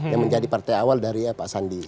yang menjadi partai awal dari pak sandi